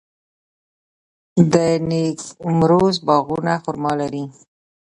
د نیمروز باغونه خرما لري.